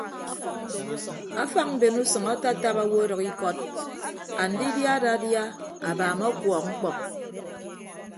Afañ mben usʌñ atatap owo ọdʌk ikọt andidia adadia abaam ọkuọk ñkpọk.